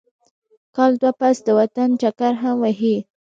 کال دوه پس د وطن چکر هم وهي.